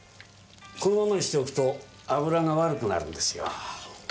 このままにしておくと油が悪くなるんですよ。